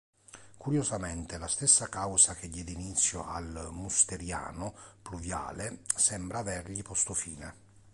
Curiosamente, la stessa causa che diede inizio al musteriano pluviale sembra avergli posto fine.